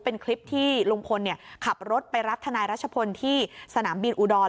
เป็นคลิปที่ลุงพลขับรถไปรับทนายรัชพลที่สนามบินอุดร